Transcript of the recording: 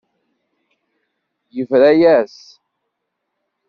Yebra-yas.